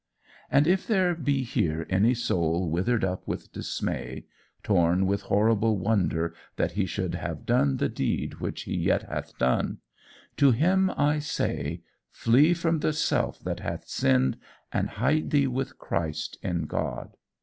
"And if there be here any soul withered up with dismay, torn with horrible wonder that he should have done the deed which he yet hath done, to him I say Flee from the self that hath sinned and hide thee with Christ in God.